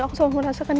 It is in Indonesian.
aku selalu merasakan